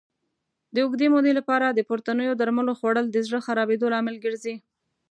د اوږدې مودې لپاره د پورتنیو درملو خوړل د زړه خرابېدو لامل ګرځي.